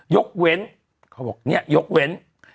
ยกเว้นเขาบอกเนี่ยยกเว้น